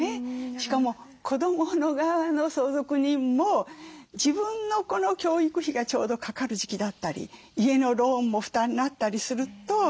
しかも子どもの側の相続人も自分の子の教育費がちょうどかかる時期だったり家のローンも負担になったりすると。